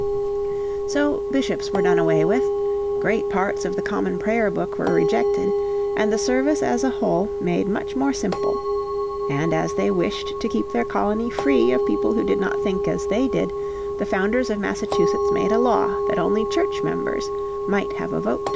So bishops were done away with, great parts of the Common Prayer Book were rejected, and the service as a whole made much more simple. And as they wished to keep their colony free of people who did not think as they did the founders of Massachusetts made a law that only Church members might have a vote.